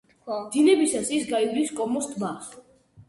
დინებისას ის გაივლის კომოს ტბას.